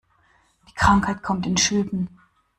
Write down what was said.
Die Krankheit kommt in Schüben.